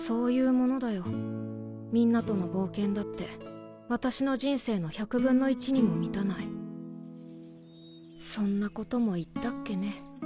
みんなとの冒険だって私の人生の１００分の１にも満たないそんなことも言ったっけね。